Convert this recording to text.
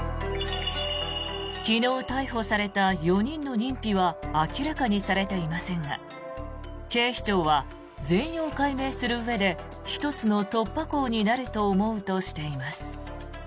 昨日逮捕された４人の認否は明らかにされていませんが警視庁は、全容解明するうえで１つの突破口になると思うとしています。